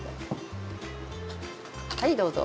はいどうぞ。